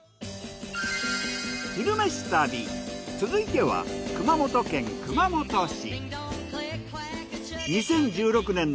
「昼めし旅」続いては熊本県熊本市。